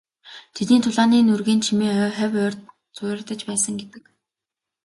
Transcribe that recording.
Тэдний тулааны нүргээн чимээ хавь ойрд нь цуурайтаж байсан гэдэг.